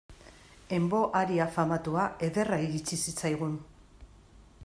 En vo aria famatua ederra iritsi zitzaigun.